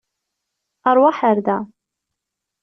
Aṛwaḥ ar da.